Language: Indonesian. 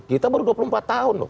kita baru dua puluh empat tahun loh